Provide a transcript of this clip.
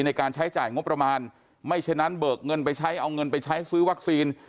ในการใช้จ่ายงบประมาณไม่ฉะนั้นเบิกเงินไปใช้เอาเงินไปใช้ซื้อวัคซีน